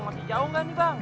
masih jauh nggak nih bang